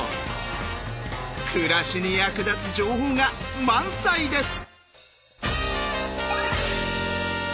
暮らしに役立つ情報が満載です！